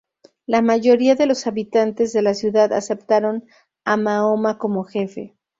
La mayoría de los habitantes de la ciudad aceptaron a Mahoma como jefe.